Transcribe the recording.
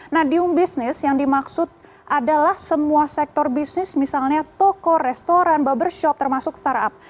nah diumum business yang dimaksud adalah semua sektor bisnis misalnya toko restoran barbershop termasuk startup